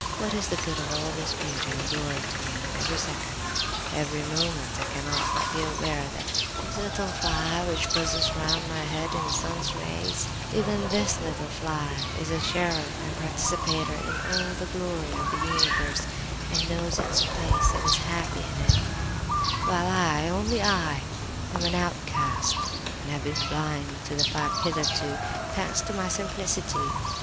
What is the good of all this beauty and glory to me, when every second, every moment, I cannot but be aware that this little fly which buzzes around my head in the sun's rays—even this little fly is a sharer and participator in all the glory of the universe, and knows its place and is happy in it;—while I—only I, am an outcast, and have been blind to the fact hitherto, thanks to my simplicity!